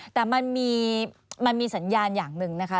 แต่มันมีสัญญาณอย่างหนึ่งนะคะ